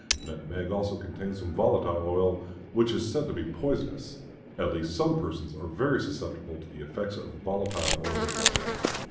Nutmegs also contain some volatile oil, which is said to be poisonous; at least some persons are very susceptible to the effects of the volatile oil of nutmeg.